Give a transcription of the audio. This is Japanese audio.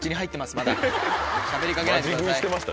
まだしゃべりかけないでください。